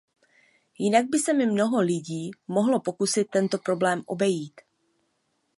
Jinak by se mnoho lidí mohlo pokusit tento problém obejít.